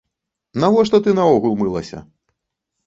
Навошта ты наогул мылася?